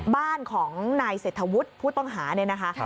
บ้านของนายเศรษฐวุฒิผู้ต้องหาเนี่ยนะคะ